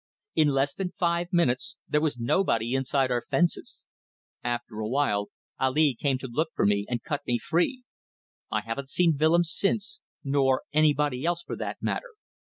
In less than five minutes there was nobody inside our fences. After awhile Ali came to look for me and cut me free. I haven't seen Willems since nor anybody else for that matter.